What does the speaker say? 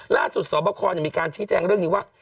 ล่าสุดสอบข้อมีการชี้แจ้งเรื่องนี้ว่า